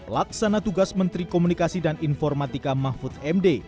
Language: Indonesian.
laksana tugas menteri komunikasi dan informatika mahfud md